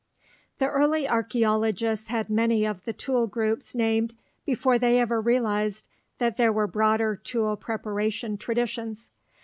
The early archeologists had many of the tool groups named before they ever realized that there were broader tool preparation traditions.